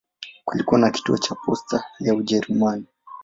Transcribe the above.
Kulikuwa na kituo cha posta ya Kijerumani.